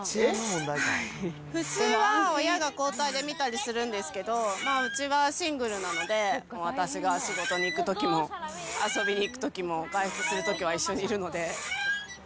普通は親が交代で見たりするんですけど、うちはシングルなので、もう私が仕事に行くときも、遊びに行くときも、外出するときは一緒にいるので。